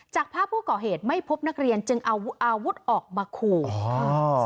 จากภาพผู้ก่อเหตุไม่พบนักเรียนจึงเอาอาวุธออกมาขู่อ๋อค่ะ